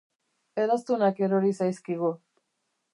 Eraztunak erori zaizkigu.